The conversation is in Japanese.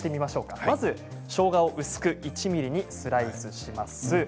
しょうがを薄く１ｍｍにスライスします。